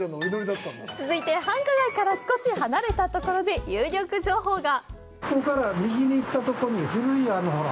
続いて、繁華街から少し離れたところで有力情報が。